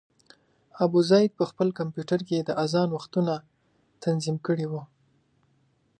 ابوزید په خپل کمپیوټر کې د اذان وختونه تنظیم کړي وو.